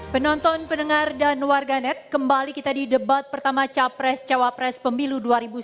penonton pendengar dan warganet kembali kita di debat pertama capres cawapres pemilu dua ribu sembilan belas